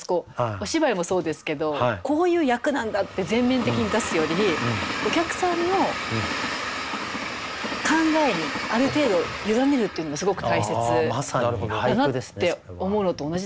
お芝居もそうですけどこういう役なんだって全面的に出すよりお客さんの考えにある程度委ねるっていうのもすごく大切だなって思うのと同じだなと思いました。